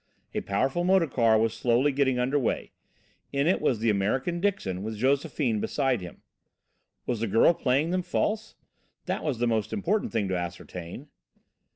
A powerful motor car was slowly getting under way. In it was the American Dixon, with Josephine beside him. Was the girl playing them false? That was the most important thing to ascertain.